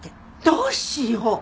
どうしよう！